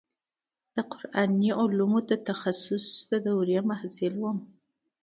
د قراني علومو د تخصص دورې محصل وم.